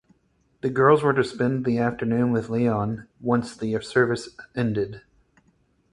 The girls were to spend the afternoon with Leon once the service ended.